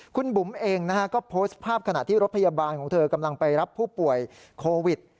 คุณบุ๋มเองก็โพสต์ภาพขณะที่รถพยาบาลของเธอกำลังไปรับผู้ป่วยโควิด